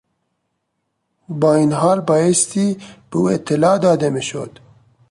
با این حال بایستی به او اطلاع داده میشد.